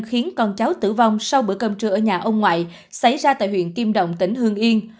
khiến con cháu tử vong sau bữa cơm trưa ở nhà ông ngoại xảy ra tại huyện kim động tỉnh hương yên